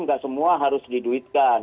nggak semua harus diduitkan